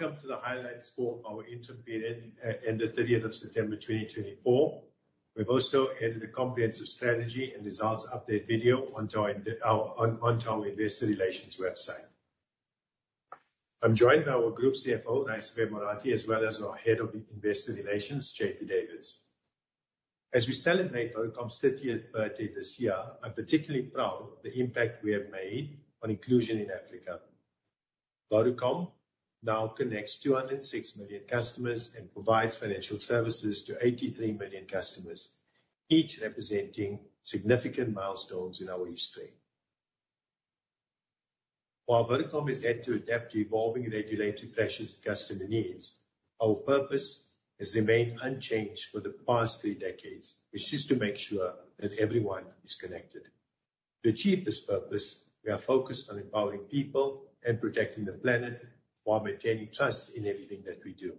Welcome to the Highlights for our Interim Period ended 30th of September, 2024. We've also added a comprehensive strategy and results update video onto our Investor Relations website. I'm joined by our Group CFO, Raisibe Morathi, as well as our Head of Investor Relations, JP Davids. As we celebrate Vodacom's 30th birthday this year, I'm particularly proud of the impact we have made on inclusion in Africa. Vodacom now connects 206 million customers and provides financial services to 83 million customers, each representing significant milestones in our history. While Vodacom is yet to adapt to evolving regulatory pressures and customer needs, our purpose has remained unchanged for the past three decades, which is to make sure that everyone is connected. To achieve this purpose, we are focused on empowering people and protecting the planet while maintaining trust in everything that we do.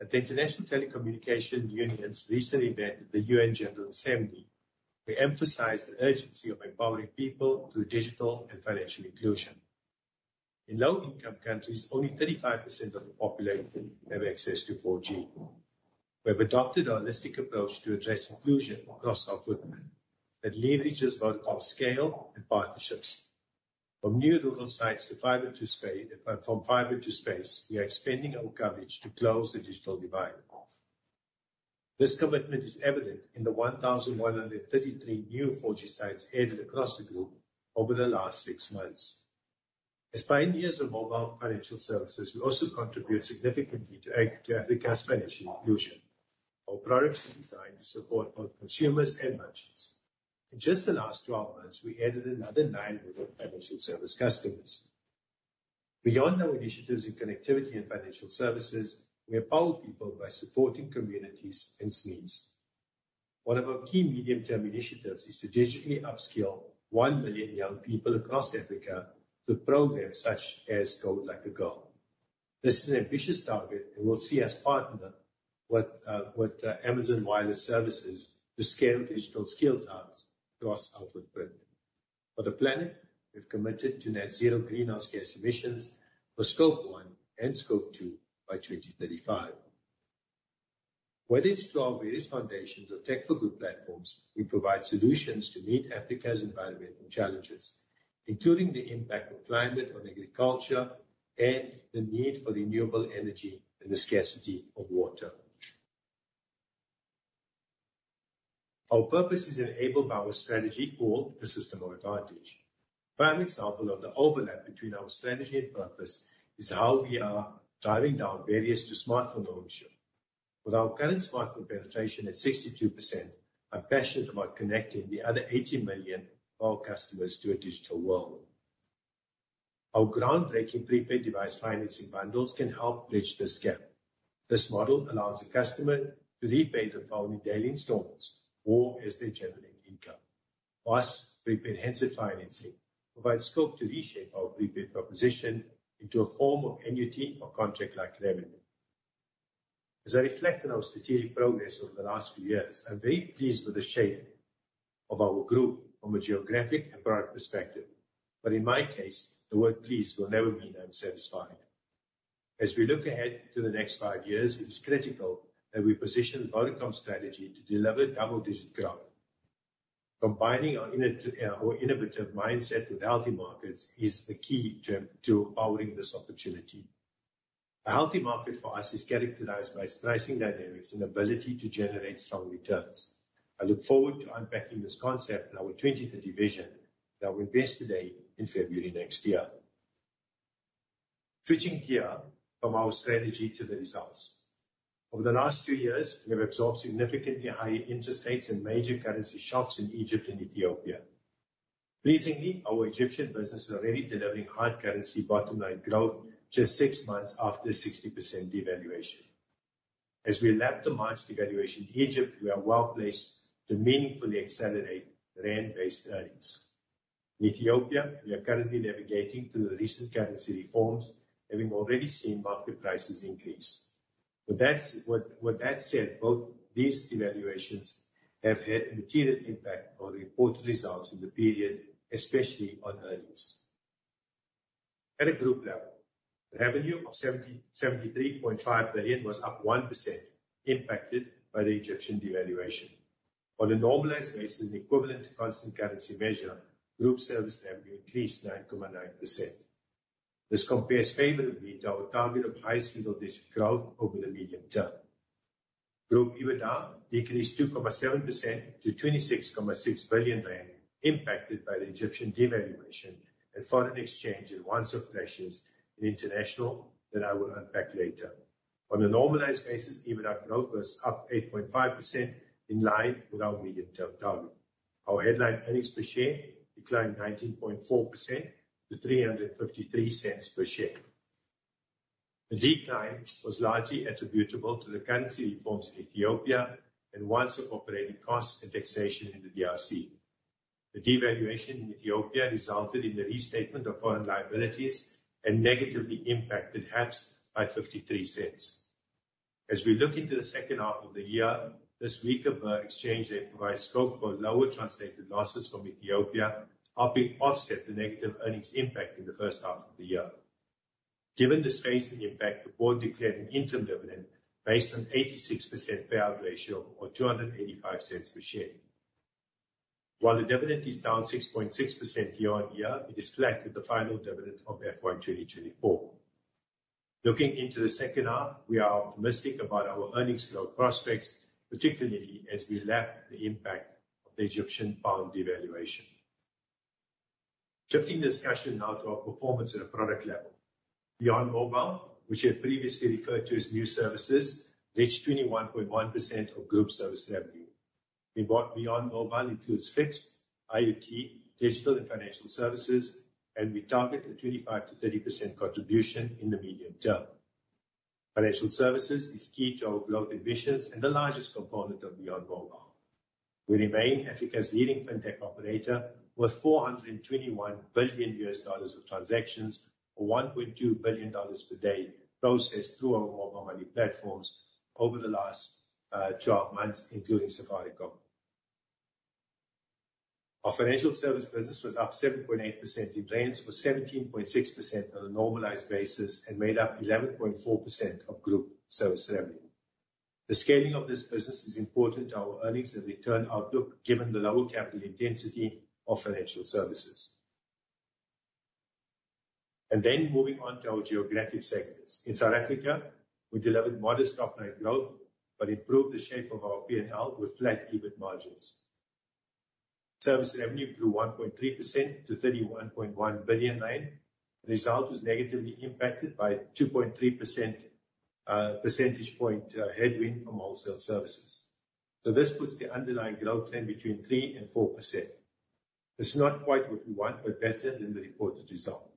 At the International Telecommunication Union's recent event at the UN General Assembly, we emphasized the urgency of empowering people through digital and financial inclusion. In low-income countries, only 35% of the population have access to 4G. We have adopted a holistic approach to address inclusion across our footprint that leverages Vodacom's scale and partnerships. From new rural sites to fibre to space, we are expanding our coverage to close the digital divide. This commitment is evident in the 1,133 new 4G sites added across the group over the last six months. As pioneers of mobile financial services, we also contribute significantly to Africa's financial inclusion. Our products are designed to support both consumers and merchants. In just the last 12 months, we added another nine rural financial service customers. Beyond our initiatives in connectivity and financial services, we empower people by supporting communities and schemes. One of our key medium-term initiatives is to digitally upskill one million young people across Africa through programs such as Code Like a Girl. This is an ambitious target, and which will see us partner with Amazon Web Services to scale digital skills hubs across our footprint. For the planet, we've committed to net zero greenhouse gas emissions for Scope 1 and Scope 2 by 2035. Whether it's through our various foundations or Tech for Good platforms, we provide solutions to meet Africa's environmental challenges, including the impact of climate on agriculture and the need for renewable energy and the scarcity of water. Our purpose is enabled by our strategy called the System of Advantage. A prime example of the overlap between our strategy and purpose is how we are dialing down barriers to smartphone ownership. With our current smartphone penetration at 62%, I'm passionate about connecting the other 80 million of our customers to a digital world. Our groundbreaking prepaid device financing bundles can help bridge this gap. This model allows a customer to repay their phone in daily installments or as they're generating income. Plus, prepaid handset financing provides scope to reshape our prepaid proposition into a form of annuity or contract-like revenue. As I reflect on our strategic progress over the last few years, I'm very pleased with the shape of our group from a geographic and product perspective. But in my case, the word pleased will never mean I'm satisfied. As we look ahead to the next five years, it is critical that we position Vodacom's strategy to deliver double-digit growth. Combining our innovative mindset with healthy markets is the key to empowering this opportunity. A healthy market for us is characterized by its pricing dynamics and ability to generate strong returns. I look forward to unpacking this concept in our 2030 vision that we'll unveil at our Investor Day in February next year. Switching gear from our strategy to the results. Over the last two years, we have absorbed significantly higher interest rates in major currency shocks in Egypt and Ethiopia. Pleasingly, our Egyptian business is already delivering hard currency bottom-line growth just six months after a 60% devaluation. As we lap the March devaluation in Egypt, we are well placed to meaningfully accelerate rand-based earnings. In Ethiopia, we are currently navigating through the recent currency reforms, having already seen market prices increase. With that said, both these devaluations have had a material impact on reported results in the period, especially on earnings. At a group level, the revenue of 73.5 billion was up 1%, impacted by the Egyptian devaluation. On a normalized basis, an equivalent to constant currency measure, group service revenue increased 9.9%. This compares favorably to our target of high single-digit growth over the medium term. Group EBITDA decreased 2.7% to 26.6 billion rand, impacted by the Egyptian devaluation and foreign exchange and one-off pressures in international that I will unpack later. On a normalized basis, EBITDA growth was up 8.5%, in line with our medium-term target. Our headline earnings per share declined 19.4% to 353 cents per share. The decline was largely attributable to the currency reforms in Ethiopia and one-off operating costs and taxation in the DRC. The devaluation in Ethiopia resulted in the restatement of foreign liabilities and negatively impacted HEPS by 53 cents. As we look into the second half of the year, this weaker exchange rate provides scope for lower translated losses from Ethiopia, helping offset the negative earnings impact in the first half of the year. Given this phase of impact, the board declared an interim dividend based on an 86% payout ratio or 2.85 per share. While the dividend is down 6.6% year on year, it is flat with the final dividend of FY 2024. Looking into the second half, we are optimistic about our earnings growth prospects, particularly as we lap the impact of the Egyptian pound devaluation. Shifting the discussion now to our performance at a product level. Beyond Mobile, which we have previously referred to as new services, reached 21.1% of group service revenue. Beyond Mobile includes fixed, IoT, digital, and financial services, and we target a 25%-30% contribution in the medium term. Financial services is key to our global ambitions and the largest component of Beyond Mobile. We remain Africa's leading fintech operator, with $421 billion of transactions or $1.2 billion per day processed through our mobile money platforms over the last 12 months, including Safaricom. Our financial service business was up 7.8% in rand, was 17.6% on a normalized basis, and made up 11.4% of group service revenue. The scaling of this business is important to our earnings and return outlook given the lower capital intensity of financial services. And then moving on to our geographic segments. In South Africa, we delivered modest top-line growth but improved the shape of our P&L with flat EBIT margins. Service revenue grew 1.3% to 31.1 billion rand. The result was negatively impacted by a 2.3 percentage point headwind from wholesale services. So this puts the underlying growth in between 3% and 4%. This is not quite what we want, but better than the reported result.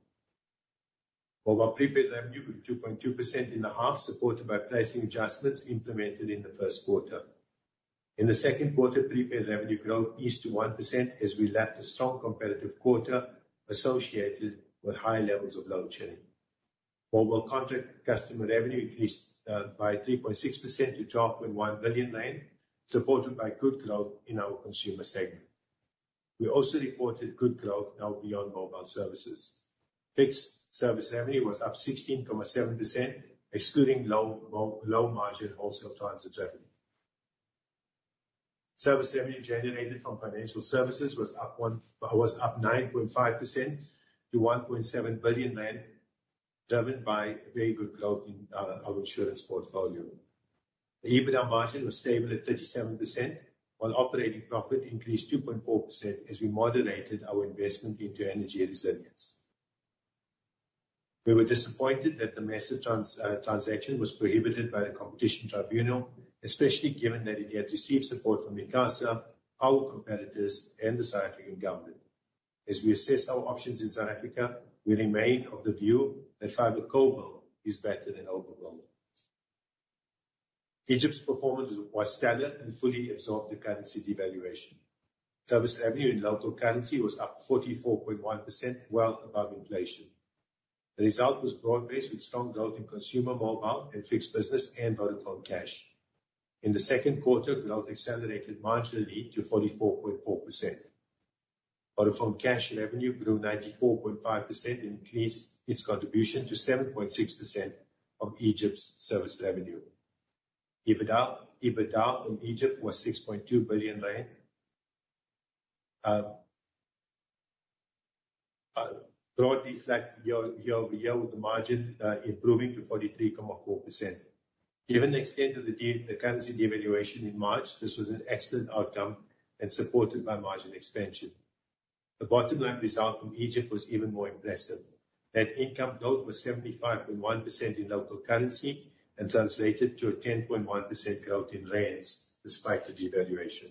Mobile prepaid revenue grew 2.2% in the half, supported by pricing adjustments implemented in the first quarter. In the second quarter, prepaid revenue growth eased to 1% as we lapped a strong competitive quarter associated with high levels of load shedding. Mobile contract customer revenue increased by 3.6% to 12.1 billion rand, supported by good growth in our consumer segment. We also reported good growth now beyond mobile services. Fixed service revenue was up 16.7%, excluding low-margin wholesale transit revenue. Service revenue generated from financial services was up 9.5% to 1.7 billion rand, driven by very good growth in our insurance portfolio. The EBITDA margin was stable at 37%, while operating profit increased 2.4% as we modulated our investment into energy resilience. We were disappointed that the Maziv transaction was prohibited by the Competition Tribunal, especially given that it we had received support from ICASA, our competitors, and the South African government. As we assess our options in South Africa, we remain of the view that fibre co-build is better than overbuild. Egypt's performance was stellar and fully absorbed the currency devaluation. Service revenue in local currency was up 44.1%, well above inflation. The result was broad-based with strong growth in consumer mobile and fixed business and Vodacom Cash. In the second quarter, growth accelerated marginally to 44.4%. Vodacom Cash revenue grew 94.5% and increased its contribution to 7.6% of Egypt's service revenue. EBITDA from Egypt was 6.2 billion rand, broadly flat year over year, with the margin improving to 43.4%. Given the extent of the currency devaluation in March, this was an excellent outcome and supported by margin expansion. The bottom-line result from Egypt was even more impressive. Net income growth was 75.1% in local currency and translated to a 10.1% growth in rand despite the devaluation.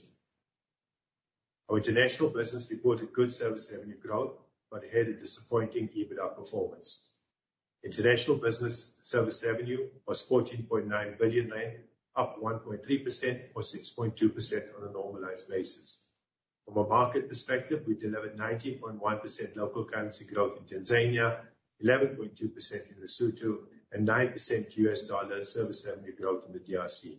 Our international business reported good service revenue growth but had a disappointing EBITDA performance. International business service revenue was 14.9 billion rand, up 1.3% or 6.2% on a normalized basis. From a market perspective, we delivered 19.1% local currency growth in Tanzania, 11.2% in Lesotho, and 9% US dollar service revenue growth in the DRC.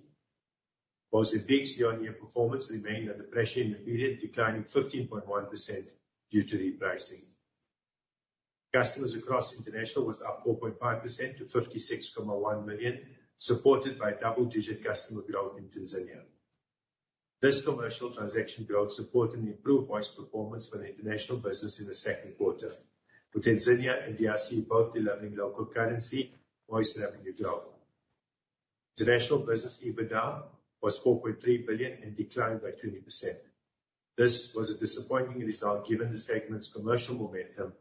While Mozambique's year-on-year performance remained under pressure in the period, declining 15.1% due to repricing. Customers across international were up 4.5% to 56.1 million, supported by double-digit customer growth in Tanzania. This commercial transaction growth supported the improved voice performance for the international business in the second quarter, with Tanzania and DRC both delivering local currency voice revenue growth. International business EBITDA was 4.3 billion and declined by 20%. This was a disappointing result given the segment's commercial momentum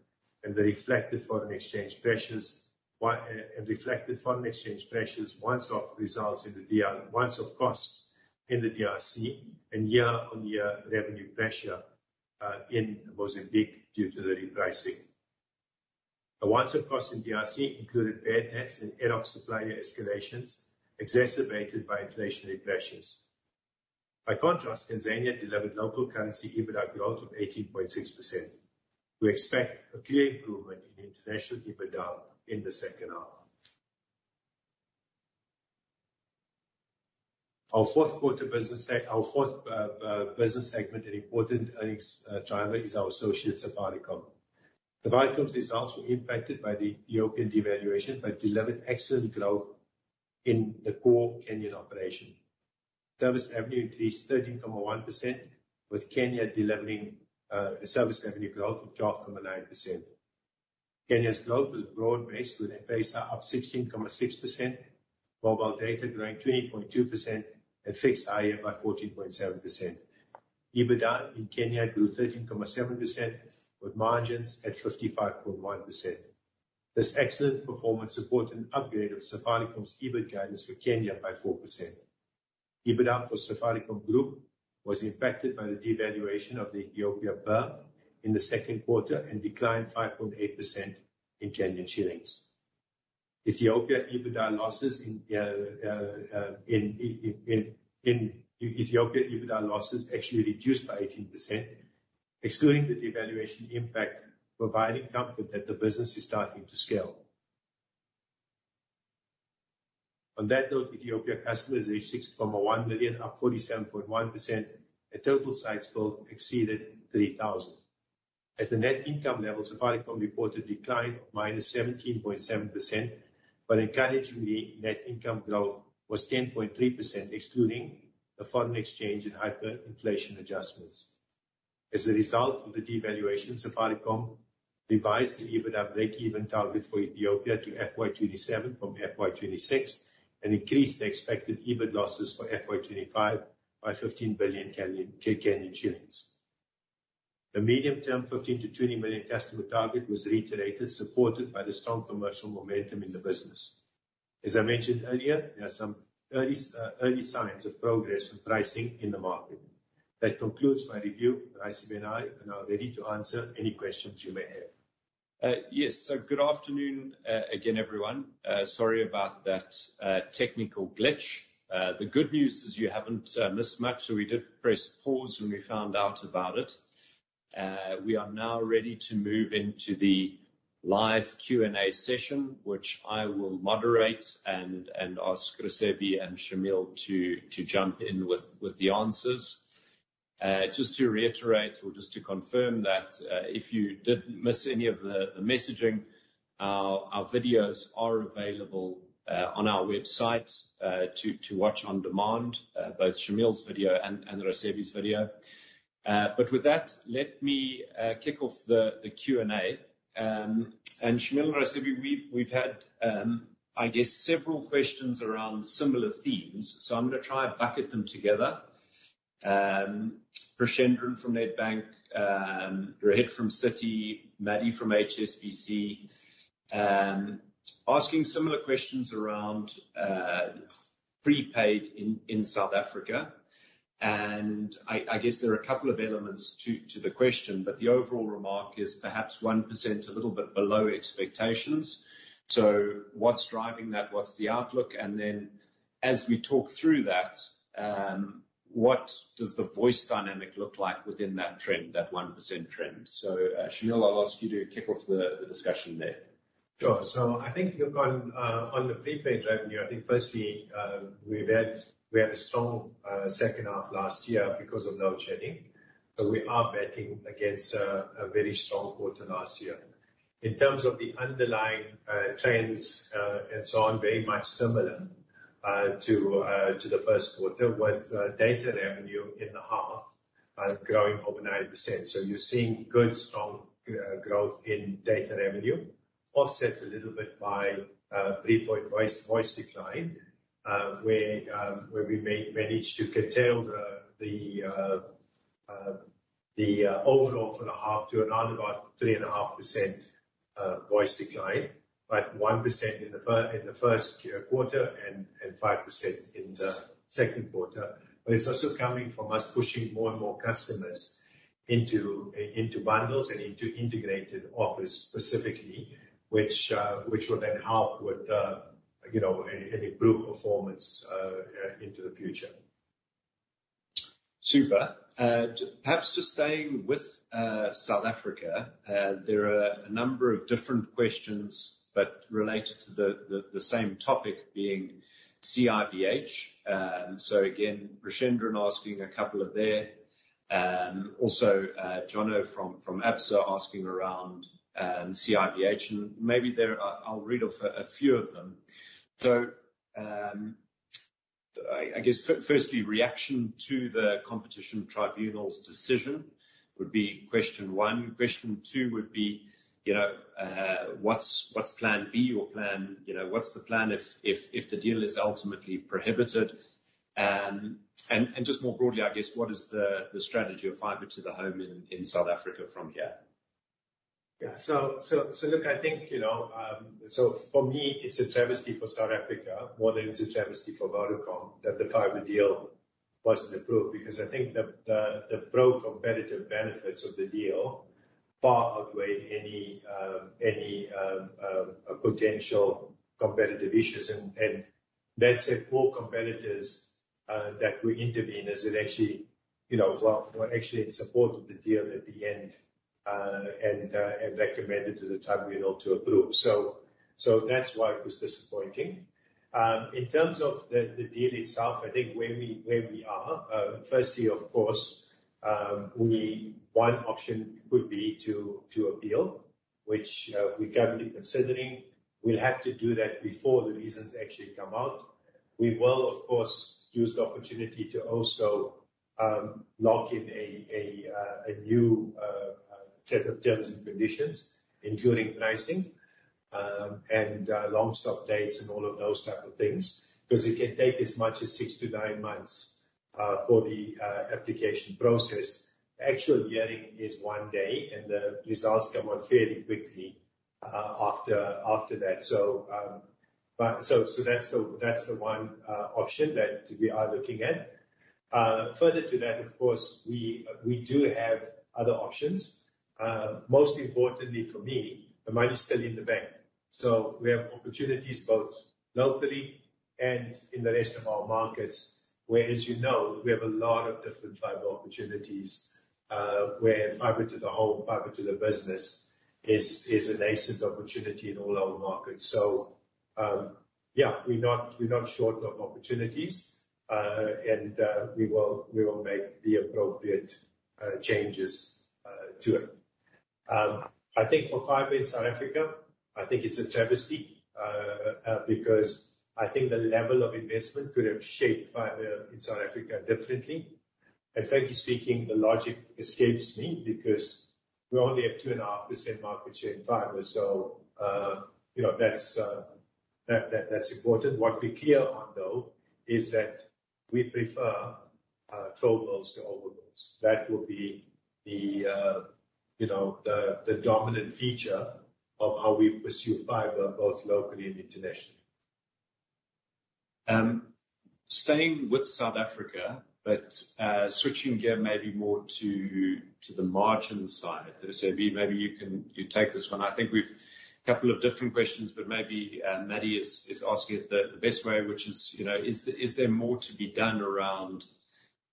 and the reflected foreign exchange pressures, one-off results in the one-off costs in the DRC and year-on-year revenue pressure in Mozambique due to the repricing. The one-off costs in DRC included bad debts and ad hoc supplier escalations exacerbated by inflationary pressures. By contrast, Tanzania delivered local currency EBITDA growth of 18.6%. We expect a clear improvement in international EBITDA in the second half. Our fourth quarter business segment, an important earnings driver, is our associate Safaricom. Safaricom's results were impacted by the shilling devaluation, but delivered excellent growth in the core Kenyan operation. Service revenue increased 13.1%, with Kenya delivering service revenue growth of 12.9%. Kenya's growth was broad-based, with M-Pesa up 16.6%, mobile data growing 20.2%, and fixed higher by 14.7%. EBITDA in Kenya grew 13.7%, with margins at 55.1%. This excellent performance supported an upgrade of Safaricom's EBIT guidance for Kenya by 4%. EBITDA for Safaricom Group was impacted by the devaluation of the Ethiopian birr in the second quarter and declined 5.8% in Kenyan shillings. Ethiopia EBITDA losses actually reduced by 18%, excluding the devaluation impact, providing comfort that the business is starting to scale. On that note, Ethiopia customers reached 6.1 million, up 47.1%, and total sites exceeded 3,000. At the net income level, Safaricom reported a decline of minus 17.7%, but encouragingly, net income growth was 10.3%, excluding the foreign exchange and hyperinflation adjustments. As a result of the devaluation, Safaricom revised the EBITDA break-even target for Ethiopia to FY 27 from FY 26 and increased the expected EBIT losses for FY 25 by 15 billion KES. The medium-term 15-20 million customer target was reiterated, supported by the strong commercial momentum in the business. As I mentioned earlier, there are some early signs of progress in pricing in the market. That concludes my review. Raisibe and I are now ready to answer any questions you may have. Yes, so good afternoon again, everyone. Sorry about that technical glitch. The good news is you haven't missed much, so we did press pause when we found out about it. We are now ready to move into the live Q&A session, which I will moderate and ask Raisibe and Shameel to jump in with the answers. Just to reiterate or just to confirm that if you did miss any of the messaging, our videos are available on our website to watch on demand, both Shameel's video and Raisibe's video. But with that, let me kick off the Q&A. And Shameel and Raisibe, we've had, I guess, several questions around similar themes, so I'm going to try and bucket them together. Prashendran from Nedbank, Rohit from Citi, Maddy from HSBC asking similar questions around prepaid in South Africa. And I guess there are a couple of elements to the question, but the overall remark is perhaps 1% a little bit below expectations. So what's driving that? What's the outlook? And then as we talk through that, what does the voice dynamic look like within that trend, that 1% trend? So Shameel, I'll ask you to kick off the discussion there. Sure. So I think on the prepaid revenue, I think firstly, we had a strong second half last year because of load shedding. So we are batting against a very strong quarter last year. In terms of the underlying trends and so on, very much similar to the first quarter, with data revenue in the half growing over 9%. So you're seeing good, strong growth in data revenue, offset a little bit by three-point voice decline, where we managed to curtail the overall for the half to around about 3.5% voice decline, but 1% in the first quarter and 5% in the second quarter. But it's also coming from us pushing more and more customers into bundles and into integrated office specifically, which will then help with an improved performance into the future. Super. Perhaps just staying with South Africa, there are a number of different questions, but related to the same topic being CIVH. So again, Prashendran asking a couple of there. Also, John O'Leary from Absa asking around CIVH. And maybe I'll read off a few of them. So I guess firstly, reaction to the Competition Tribunal's decision would be question one. Question two would be, what's plan B or plan? What's the plan if the deal is ultimately prohibited? And just more broadly, I guess, what is the strategy of fibre to the home in South Africa from here? Yeah. So look, I think so for me, it's a travesty for South Africa more than it's a travesty for Vodacom that the fibre deal wasn't approved because I think the pro-competitive benefits of the deal far outweigh any potential competitive issues. And that's it. All competitors that intervened in it actually were in support of the deal at the end and recommended to the tribunal to approve. So that's why it was disappointing. In terms of the deal itself, I think where we are, firstly, of course, one option could be to appeal, which we're currently considering. We'll have to do that before the reasons actually come out. We will, of course, use the opportunity to also lock in a new set of terms and conditions, including pricing and long stop dates and all of those type of things because it can take as much as six to nine months for the application process. Actual hearing is one day, and the results come out fairly quickly after that. So that's the one option that we are looking at. Further to that, of course, we do have other options. Most importantly for me, the money's still in the bank. So we have opportunities both locally and in the rest of our markets, where, as you know, we have a lot of different fibre opportunities where fibre to the home, fibre to the business is a nascent opportunity in all our markets. Yeah, we're not short of opportunities, and we will make the appropriate changes to it. I think for fibre in South Africa, I think it's a travesty because I think the level of investment could have shaped fibre in South Africa differently. Frankly speaking, the logic escapes me because we only have 2.5% market share in fibre. That's important. What we're clear on, though, is that we prefer co-builds to overbuilds. That will be the dominant feature of how we pursue fibre both locally and internationally. Staying with South Africa, but switching gear maybe more to the margin side. Raisibe, maybe you take this one. I think we've a couple of different questions, but maybe Maddy is asking it the best way, which is, is there more to be done around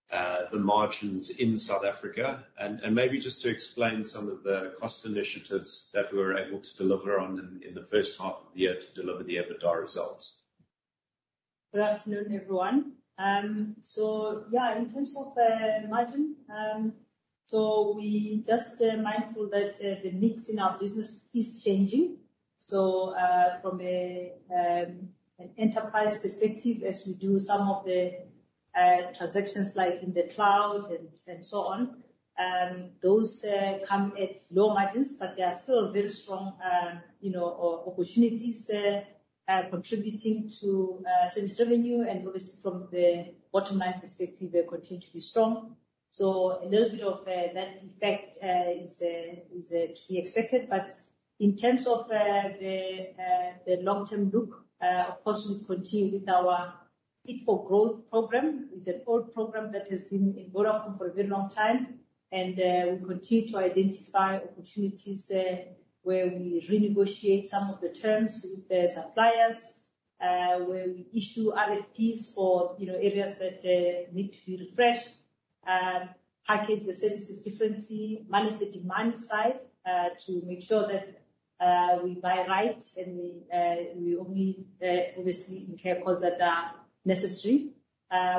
the margins in South Africa, and maybe just to explain some of the cost initiatives that we were able to deliver on in the first half of the year to deliver the EBITDA results. Good afternoon, everyone. So yeah, in terms of margin, so we're just mindful that the mix in our business is changing, so from an enterprise perspective, as we do some of the transactions like in the cloud and so on, those come at low margins, but there are still very strong opportunities contributing to service revenue, and obviously, from the bottom line perspective, they continue to be strong, so a little bit of that effect is to be expected. But in terms of the long-term look, of course, we continue with our Fit for Growth program. It's an old program that has been in Vodacom for a very long time. And we continue to identify opportunities where we renegotiate some of the terms with the suppliers, where we issue RFPs for areas that need to be refreshed, package the services differently, manage the demand side to make sure that we buy right and we only obviously incur costs that are necessary.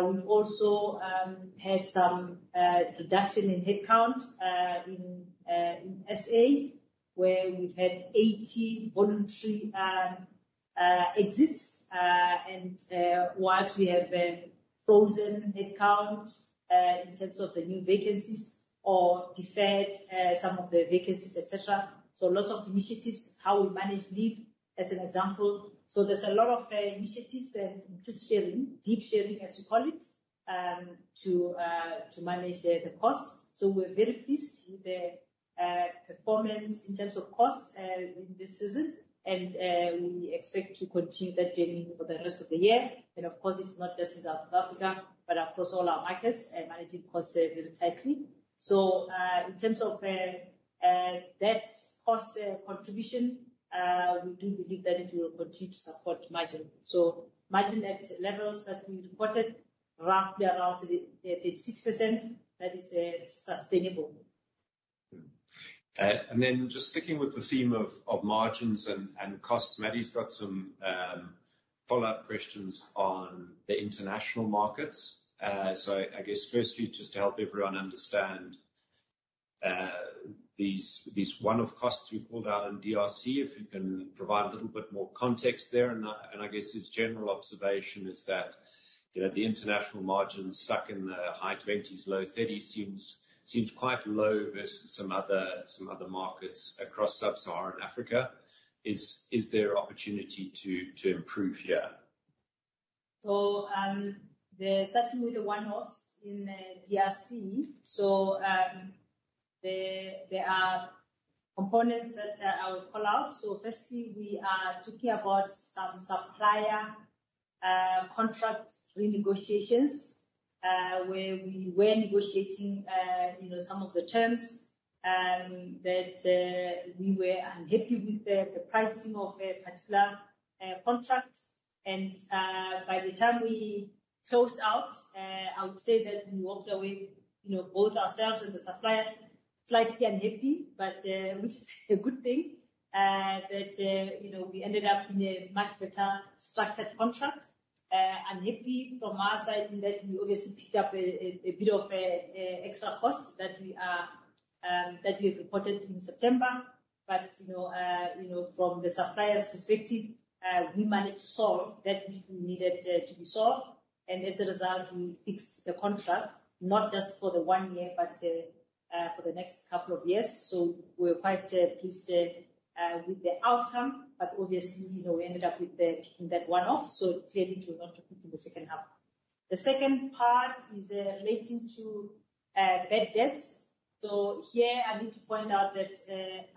We've also had some reduction in headcount in SA, where we've had 80 voluntary exits. And whilst we have frozen headcount in terms of the new vacancies or deferred some of the vacancies, etc., so lots of initiatives, how we manage leave as an example. So there's a lot of initiatives and deep sharing, as you call it, to manage the cost. We're very pleased with the performance in terms of costs in this season. We expect to continue that journey for the rest of the year. Of course, it's not just in South Africa, but across all our markets and managing costs very tightly. In terms of that cost contribution, we do believe that it will continue to support margin. Margin at levels that we reported roughly around 36% is sustainable. Just sticking with the theme of margins and costs, Maddy's got some follow-up questions on the international markets. I guess firstly, just to help everyone understand these one-off costs we pulled out in DRC, if you can provide a little bit more context there. I guess his general observation is that the international margin stuck in the high 20s, low 30s seems quite low versus some other markets across sub-Saharan Africa. Is there opportunity to improve here? Starting with the one-offs in DRC, there are components that I will call out. Firstly, we are talking about some supplier contract renegotiations where we were negotiating some of the terms that we were unhappy with the pricing of a particular contract. And by the time we closed out, I would say that we walked away both ourselves and the supplier slightly unhappy, which is a good thing that we ended up in a much better structured contract. Unhappy from our side in that we obviously picked up a bit of extra cost that we have reported in September. But from the supplier's perspective, we managed to solve that which we needed to be solved. And as a result, we fixed the contract, not just for the one year, but for the next couple of years. So we're quite pleased with the outcome. But obviously, we ended up with that one-off, so clearly it was not completed in the second half. The second part is relating to bad debts. So here, I need to point out that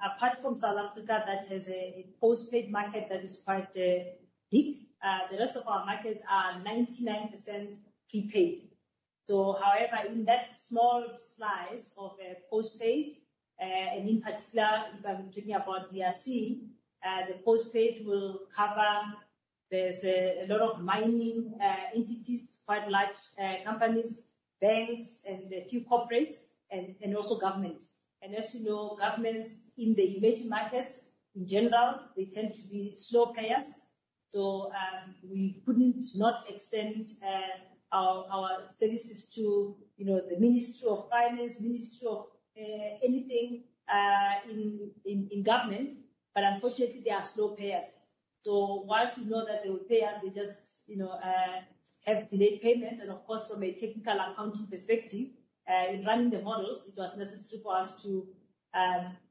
apart from South Africa, that has a postpaid market that is quite big. The rest of our markets are 99% prepaid. So however, in that small slice of postpaid, and in particular, if I'm talking about DRC, the postpaid we'll cover, there's a lot of mining entities, quite large companies, banks, and a few corporates, and also government. As you know, governments in the emerging markets, in general, they tend to be slow players. So we couldn't not extend our services to the Ministry of Finance, Ministry of anything in government. But unfortunately, they are slow payers. So while you know that they will pay us, they just have delayed payments. And of course, from a technical accounting perspective, in running the models, it was necessary for us to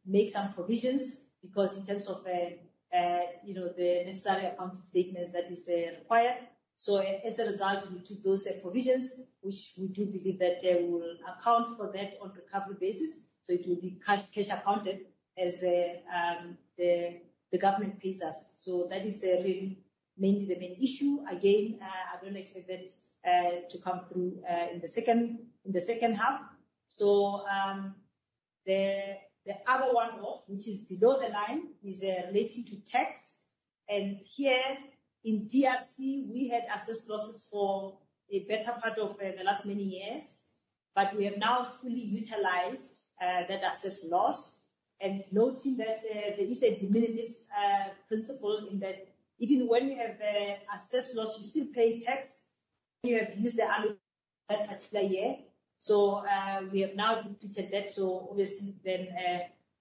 make some provisions because in terms of the necessary accounting statements that is required. So as a result, we took those provisions, which we do believe that they will account for that on a recovery basis. So it will be cash accounted as the government pays us. So that is really mainly the main issue. Again, I don't expect that to come through in the second half. So the other one-off, which is below the line, is relating to tax. And here in DRC, we had assessed losses for a better part of the last many years, but we have now fully utilized that assessed loss. And noting that there is a diminishing principle in that even when you have assessed loss, you still pay tax when you have used the assessed loss that particular year. So we have now depleted that. So obviously, then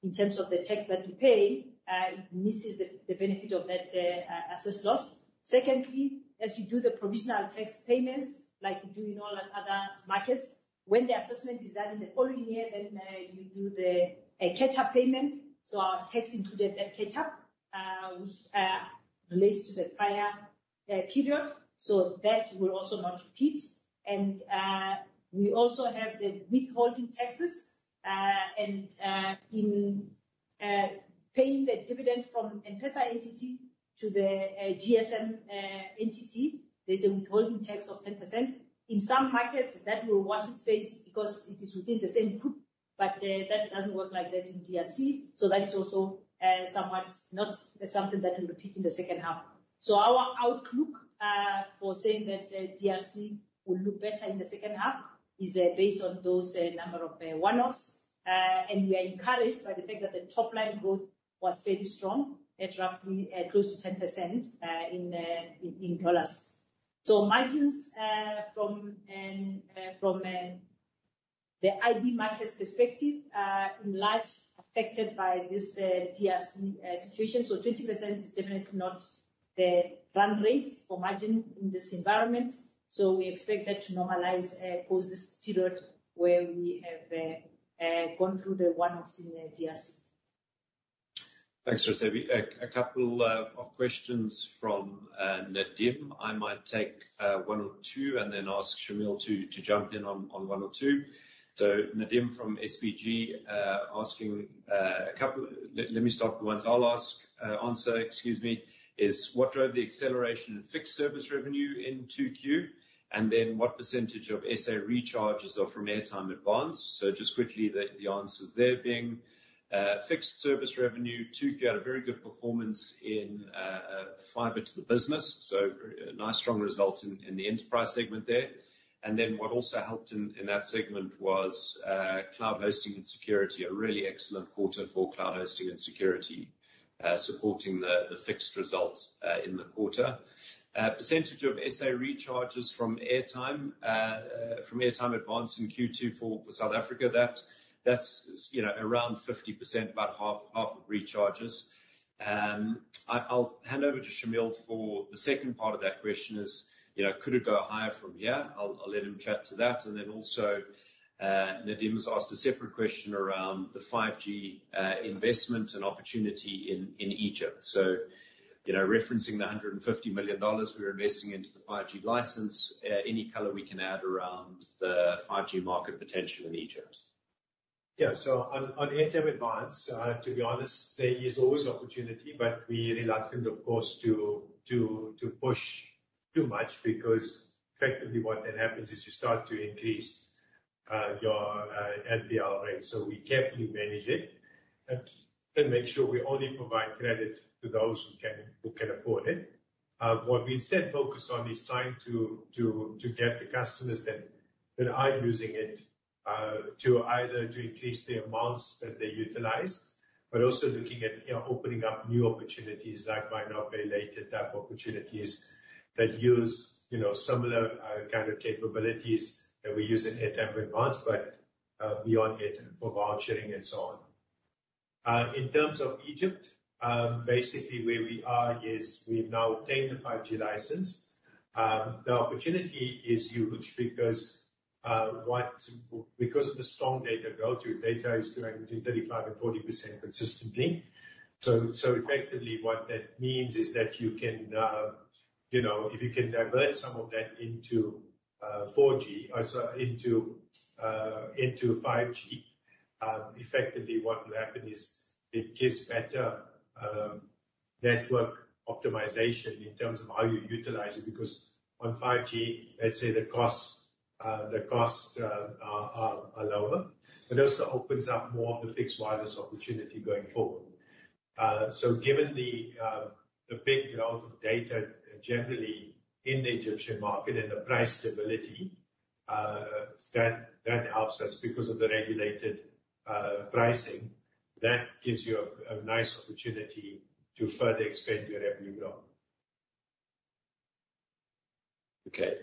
in terms of the tax that you pay, it misses the benefit of that assessed loss. Secondly, as you do the provisional tax payments, like you do in all other markets, when the assessment is done in the following year, then you do the catch-up payment. So our tax included that catch-up, which relates to the prior period. So that will also not repeat. And we also have the withholding taxes. In paying the dividend from M-Pesa entity to the GSM entity, there's a withholding tax of 10%. In some markets, that will wash its face because it is within the same group, but that doesn't work like that in DRC. So that is also somewhat not something that will repeat in the second half. So our outlook for saying that DRC will look better in the second half is based on those number of one-offs. And we are encouraged by the fact that the top-line growth was fairly strong at roughly close to 10% in dollars. So margins from the IB markets perspective is largely affected by this DRC situation. So 20% is definitely not the run rate for margin in this environment. So we expect that to normalize post this period where we have gone through the one-offs in DRC. Thanks, Raisibe. A couple of questions from Nadim. I might take one or two and then ask Shameel to jump in on one or two. So Nadim from SBG asking a couple of let me start with the ones I'll answer, excuse me, is what drove the acceleration in fixed service revenue in 2Q? And then what percentage of SA recharges are from airtime advance? So just quickly, the answers there being fixed service revenue, 2Q had a very good performance in fibre to the business. So nice strong result in the enterprise segment there. And then what also helped in that segment was cloud hosting and security, a really excellent quarter for cloud hosting and security supporting the fixed results in the quarter. Percentage of SA recharges from airtime advance in Q2 for South Africa, that's around 50%, about half of recharges. I'll hand over to Shameel for the second part of that question, is could it go higher from here? I'll let him chat to that. And then also Nadim has asked a separate question around the 5G investment and opportunity in Egypt. So referencing the $150 million we're investing into the 5G license, any color we can add around the 5G market potential in Egypt. Yeah. So on airtime advance, to be honest, there is always opportunity, but we're reluctant, of course, to push too much because effectively what then happens is you start to increase your NPL rate. So we carefully manage it and make sure we only provide credit to those who can afford it. What we instead focus on is trying to get the customers that are using it to either increase the amounts that they utilize, but also looking at opening up new opportunities like buy now, pay later type opportunities that use similar kind of capabilities that we use in airtime advance, but beyond airtime for vouchering and so on. In terms of Egypt, basically where we are is we've now obtained the 5G license. The opportunity is huge because of the strong data growth. Your data is growing between 35%-40% consistently. So effectively what that means is that if you can divert some of that into 4G, into 5G, effectively what will happen is it gives better network optimization in terms of how you utilize it because on 5G, let's say the costs are lower, but also opens up more of the fixed wireless opportunity going forward. Given the big growth of data generally in the Egyptian market and the price stability, that helps us because of the regulated pricing. That gives you a nice opportunity to further expand your revenue growth. Okay.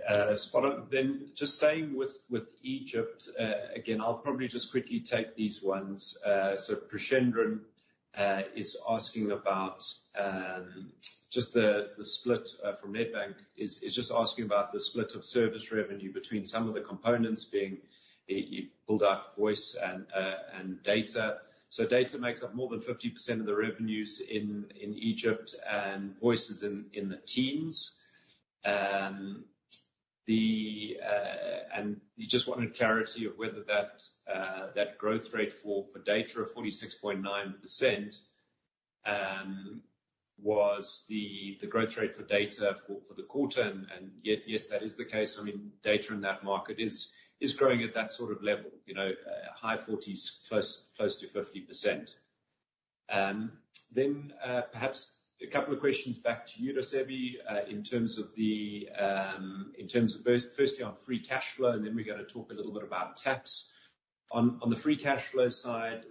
Just staying with Egypt, again, I'll probably just quickly take these ones. So Prashendran from Nedbank is asking about the split of service revenue between some of the components being you've pulled out voice and data. So data makes up more than 50% of the revenues in Egypt and voice is in the teens. And you just wanted clarity of whether that growth rate for data of 46.9% was the growth rate for data for the quarter. And yes, that is the case. I mean, data in that market is growing at that sort of level, high 40%s, close to 50%. Then perhaps a couple of questions back to you, Raisibe, in terms of firstly on free cash flow, and then we're going to talk a little bit about tax. On the free cash flow side,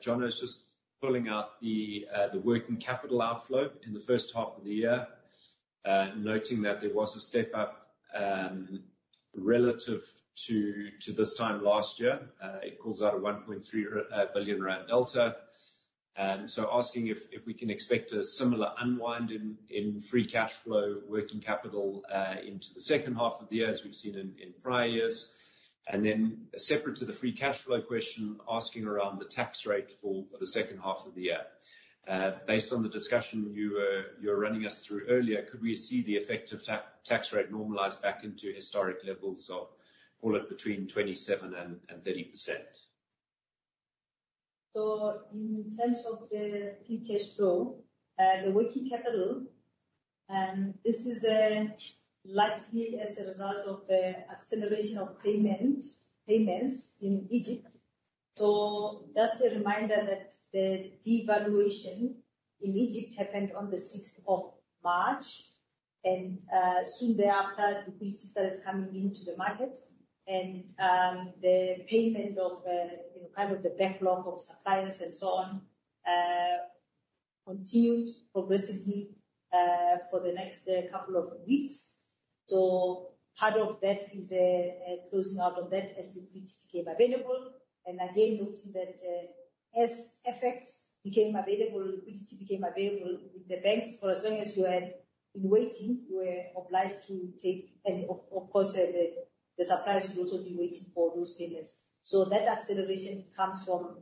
John is just pulling out the working capital outflow in the first half of the year, noting that there was a step up relative to this time last year. It calls out a 1.3 billion rand delta. And so asking if we can expect a similar unwind in free cash flow, working capital into the second half of the year as we've seen in prior years. And then separate to the free cash flow question, asking around the tax rate for the second half of the year. Based on the discussion you were running us through earlier, could we see the effective tax rate normalized back into historic levels of call it between 27% and 30%? So in terms of the free cash flow, the working capital, this is likely as a result of the acceleration of payments in Egypt. So just a reminder that the devaluation in Egypt happened on the 6th of March, and soon thereafter, liquidity started coming into the market. And the payment of kind of the backlog of suppliers and so on continued progressively for the next couple of weeks. So part of that is closing out of that as liquidity became available. And again, noting that as FX became available, liquidity became available with the banks. For as long as you had been waiting, you were obliged to take and of course, the suppliers would also be waiting for those payments. So that acceleration comes from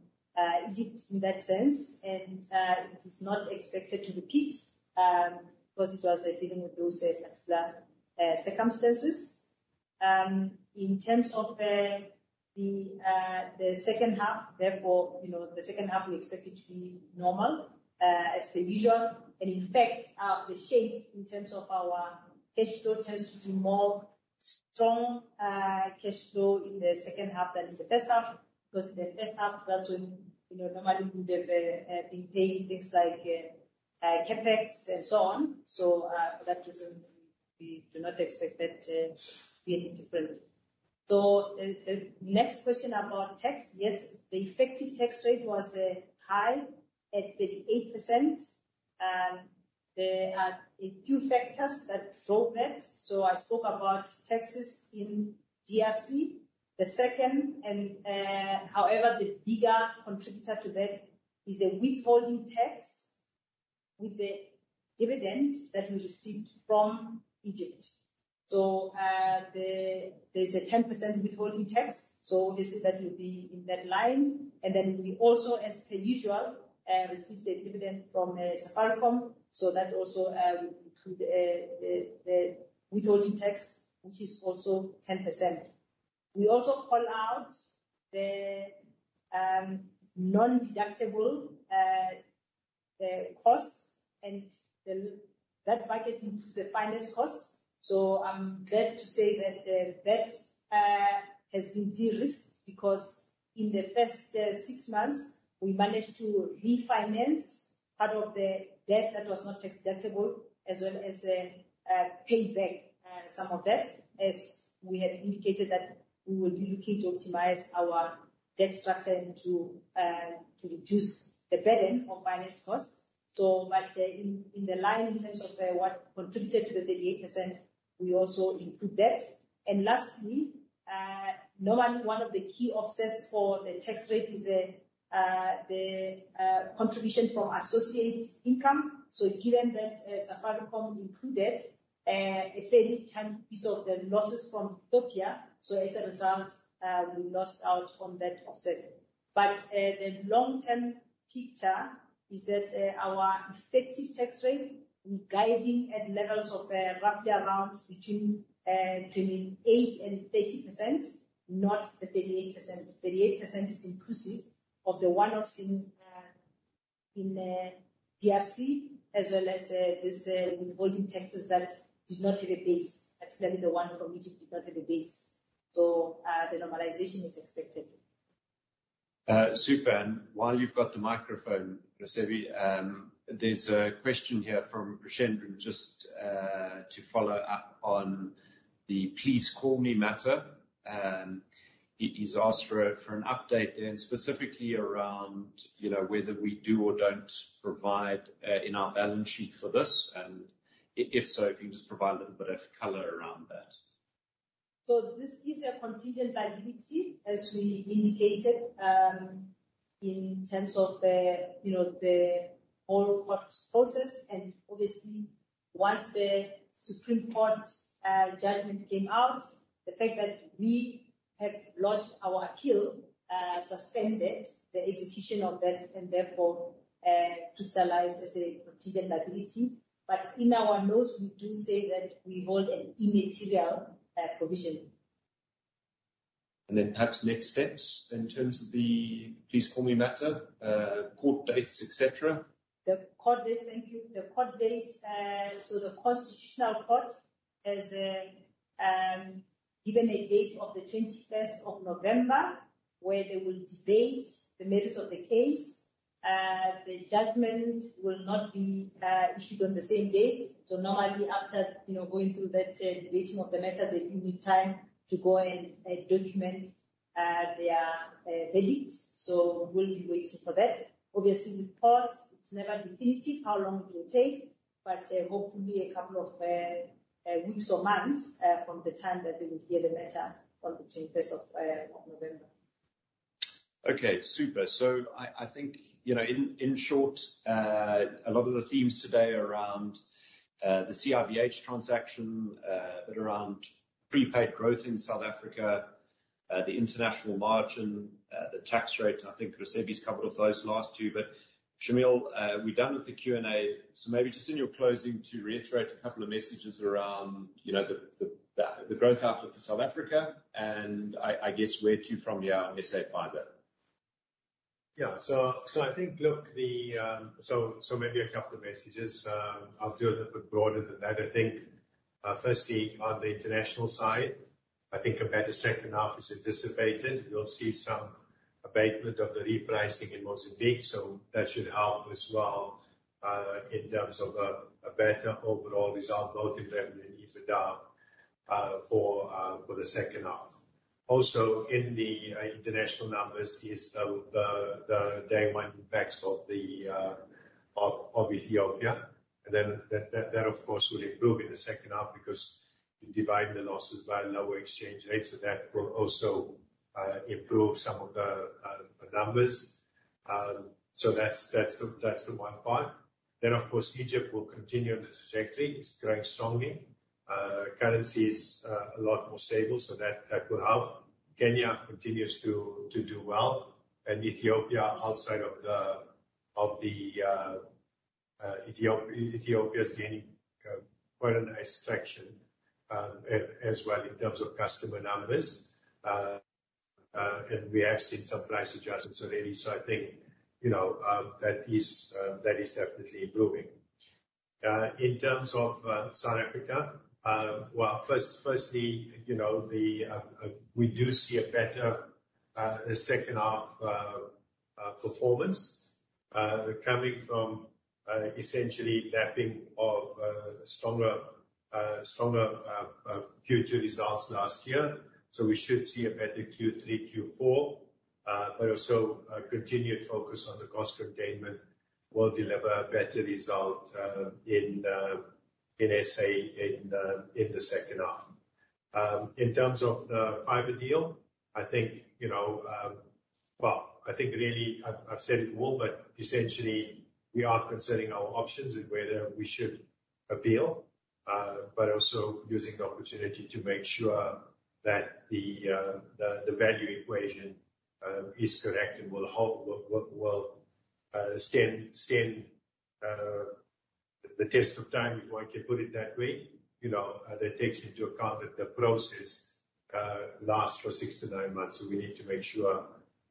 Egypt in that sense, and it is not expected to repeat because it was dealing with those particular circumstances. In terms of the second half, therefore, the second half we expected to be normal as per usual. And in fact, the shape in terms of our cash flow tends to be more strong cash flow in the second half than in the first half because in the first half, well, so normally we would have been paying things like CapEx and so on. So for that reason, we do not expect that to be any different. So the next question about tax, yes, the effective tax rate was high at 38%. There are a few factors that drove that. So I spoke about taxes in DRC. The second, and however, the bigger contributor to that is the withholding tax with the dividend that we received from Egypt. So there's a 10% withholding tax. So this is that will be in that line. And then we also, as per usual, received a dividend from Safaricom. So that also included the withholding tax, which is also 10%. We also call out the non-deductible costs and that bucket into the finance costs. So I'm glad to say that that has been de-risked because in the first six months, we managed to refinance part of the debt that was not tax deductible as well as pay back some of that as we had indicated that we would be looking to optimize our debt structure and to reduce the burden of finance costs. But in the line, in terms of what contributed to the 38%, we also include that. And lastly, normally one of the key offsets for the tax rate is the contribution from associate income. So given that Safaricom included a fairly tiny piece of the losses from Ethiopia, so as a result, we lost out on that offset. But the long-term picture is that our effective tax rate we're guiding at levels of roughly around between 28% and 30%, not the 38%. 38% is inclusive of the one-offs in DRC as well as this withholding taxes that did not have a base, particularly the one from Egypt did not have a base. So the normalization is expected. Super. And while you've got the microphone, Raisibe, there's a question here from Prashendran just to follow up on the Please Call Me matter. He's asked for an update then specifically around whether we do or don't provide in our balance sheet for this. And if so, if you can just provide a little bit of color around that. So this gives a contingent liability as we indicated in terms of the whole process. And obviously, once the Supreme Court judgment came out, the fact that we had lodged our appeal suspended the execution of that and therefore crystallized as a contingent liability. But in our notes, we do say that we hold an immaterial provision. And then perhaps next steps in terms of the Please Call Me matter, court dates, etc. The court date, thank you. The court date, so the Constitutional Court has given a date of the 21st of November where they will debate the merits of the case. The judgment will not be issued on the same day. So normally after going through that debating of the matter, they do need time to go and document their verdict. So we'll be waiting for that. Obviously, with courts, it's never definitive how long it will take, but hopefully a couple of weeks or months from the time that they will hear the matter on the 21st of November. Okay. Super. So I think in short, a lot of the themes today around the CIVH transaction, but around prepaid growth in South Africa, the international margin, the tax rates. I think Raisibe's covered those last two. But Shameel, we're done with the Q&A. So maybe just in your closing to reiterate a couple of messages around the growth outlook for South Africa and I guess where to from the SA fibre. Yeah. So I think, look, so maybe a couple of messages. I'll do a little bit broader than that. I think firstly on the international side, I think about the second half is anticipated. We'll see some abatement of the repricing in Mozambique, so that should help as well in terms of a better overall result, both in revenue and EBITDA for the second half. Also, in the international numbers is the day one impacts of Ethiopia, and then that, of course, will improve in the second half because you divide the losses by lower exchange rates, so that will also improve some of the numbers, so that's the one part. Then, of course, Egypt will continue on the trajectory. It's growing strongly. Currency is a lot more stable, so that will help. Kenya continues to do well, and Ethiopia outside of the Ethiopia is gaining quite a nice traction as well in terms of customer numbers, and we have seen some price adjustments already, so I think that is definitely improving. In terms of South Africa, well, firstly, we do see a better second half performance coming from essentially lapping of stronger Q2 results last year. So we should see a better Q3, Q4, but also continued focus on the cost containment will deliver a better result in SA in the second half. In terms of the fibre deal, I think, well, I think really I've said it all, but essentially we are considering our options and whether we should appeal, but also using the opportunity to make sure that the value equation is correct and will stand the test of time if one can put it that way. That takes into account that the process lasts for six to nine months. So we need to make sure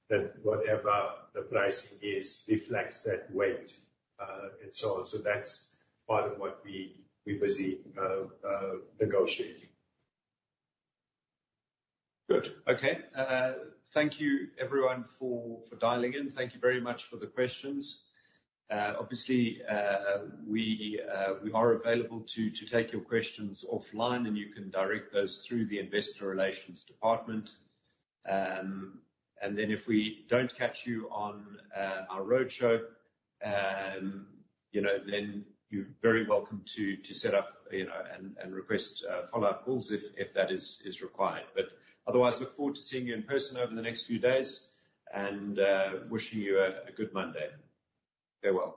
that whatever the pricing is reflects that weight and so on. So that's part of what we busy negotiating. Good. Okay. Thank you, everyone, for dialing in. Thank you very much for the questions. Obviously, we are available to take your questions offline, and you can direct those through the Investor Relations Department, and then if we don't catch you on our roadshow, then you're very welcome to set up and request follow-up calls if that is required, but otherwise, look forward to seeing you in person over the next few days and wishing you a good Monday. Farewell.